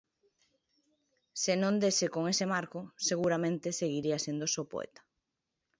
Se non dese con ese marco, seguramente seguiría sendo só poeta.